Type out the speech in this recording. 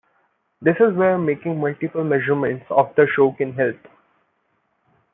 This is where making multiple measurements of the show can help.